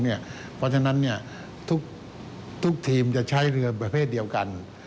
เพราะฉะนั้นทุกทีมจะใช้เรือประเภทเดียวกัน